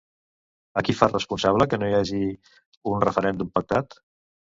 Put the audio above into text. A qui fa responsable que no hi hagi un referèndum pactat?